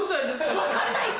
分かんないって！